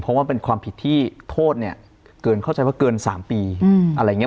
เพราะว่าเป็นความผิดที่โทษเนี่ยเกินเข้าใจว่าเกิน๓ปีอะไรอย่างนี้